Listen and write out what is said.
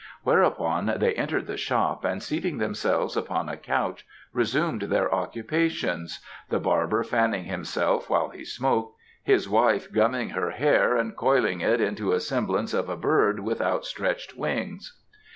Whereupon they entered the shop and seating themselves upon a couch resumed their occupations, the barber fanning himself while he smoked, his wife gumming her hair and coiling it into the semblance of a bird with outstretched wings.